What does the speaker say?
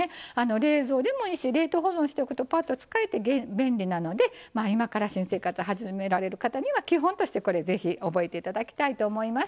冷蔵でもいいし冷凍保存しておくとぱっと使えて便利なので今から新生活始められる方には基本として覚えていただきたいと思います。